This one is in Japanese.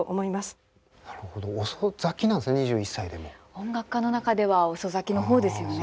音楽家の中では遅咲きの方ですよね。